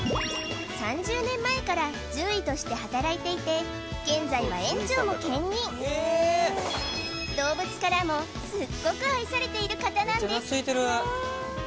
３０年前から獣医として働いていて現在は園長も兼任動物からもすっごく愛されている方なんです